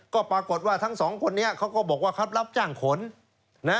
ก็ปรากฏว่าทั้งสองคนนี้เขาก็บอกว่าเขารับจ้างขนนะ